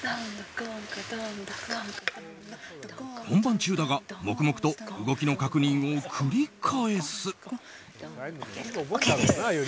本番中だが黙々と動きの確認を繰り返す。